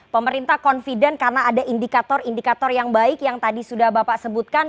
pemerintah confident karena ada indikator indikator yang baik yang tadi sudah bapak sebutkan